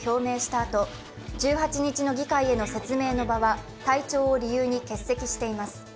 あと１８日の議会への説明の場は体調を理由に欠席しています。